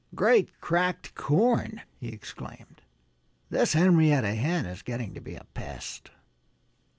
"Great cracked corn!" he exclaimed. "This Henrietta Hen is getting to be a pest."